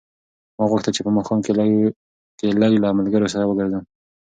ما غوښتل چې په ماښام کې لږ له ملګرو سره وګرځم.